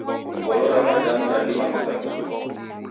Ngolo ra wadamu radima kughaluswa.